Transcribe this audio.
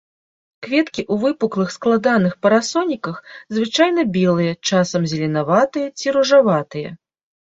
Кветкі ў выпуклых складаных парасоніках, звычайна белыя, часам зеленаватыя ці ружаватыя.